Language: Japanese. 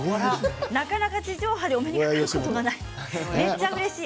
なかなか地上波でお目にかかることがない、めっちゃうれしい。